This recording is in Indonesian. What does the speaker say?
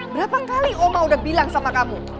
berapa kali oma udah bilang sama kamu